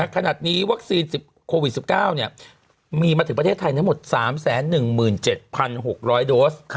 ขนาดนี้วัคซีนโควิด๑๙มีมาถึงประเทศไทยทั้งหมด๓๑๗๖๐๐โดส